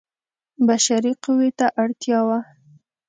بشري قوې ته اړتیا وه.